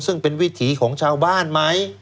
ซึ่งเป็นวิถีของชาวบ้านไหม